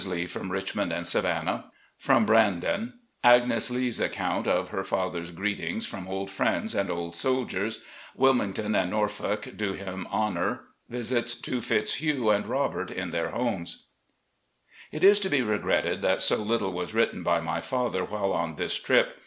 LEE PROM RICHMOND AND SAVANNAH —• FROM BRANDON — ^AGNES LBE's ACCOUNT OP HER father's greetings prom old friends and old SOLDIERS — WILMINGTON AND NORFOLK DO HIM HONOUR — ^VISITS TO FITZHUGH AND ROBERT IN THEIR HOMES It is to be regretted that so little was written by my father while on this trip.